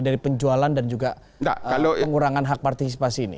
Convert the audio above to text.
dari penjualan dan juga pengurangan hak partisipasi ini